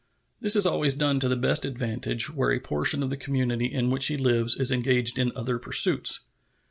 This is always done to the best advantage where a portion of the community in which he lives is engaged in other pursuits.